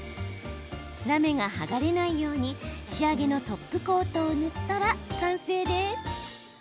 ラメが剥がれないように仕上げのトップコートを塗ったら完成です。